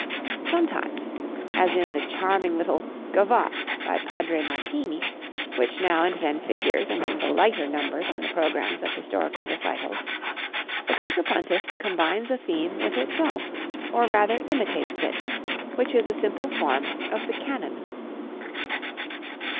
Sometimes, as in the charming little "Gavotte" by Padre Martini, which now and then figures among the lighter numbers on the programs of historical recitals, the contrapuntist combines a theme with itself, or, rather, "imitates" it, which is a simple form of the canon.